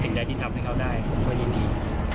ใดที่ทำให้เขาได้ผมก็ยินดี